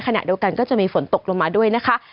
ขณะเดียวกันก็จะมีฝนตกลงมาด้วยนะคะ